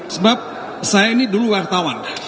sebab saya ini dulu wartawan